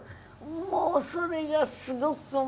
もうそれがすごく嫌でね。